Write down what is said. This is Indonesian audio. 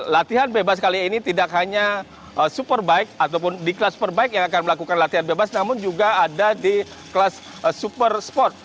latihan bebas kali ini tidak hanya superbike ataupun di kelas superbike yang akan melakukan latihan bebas namun juga ada di kelas super sport